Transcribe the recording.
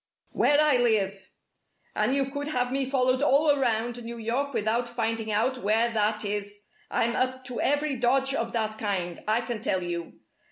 "Where I live. And you could have me followed all around New York without finding out where that is. I'm up to every dodge of that kind, I can tell you!